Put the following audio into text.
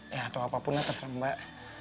ya atau apapun lah terserah mbak